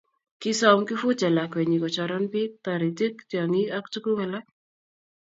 Kisom Kifuja lakwenyi kochoran bik taritik, tiongik ak tuguk alak